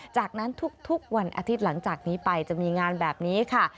จากนั้นทุกวันอาทิตย์หลังจากนี้ไปจะมีงานแบบนี้ค่ะ